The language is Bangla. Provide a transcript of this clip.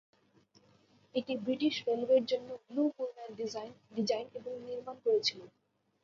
এটি ব্রিটিশ রেলওয়ের জন্য ব্লু পুলম্যান ডিজাইন এবং নির্মাণ করেছিল।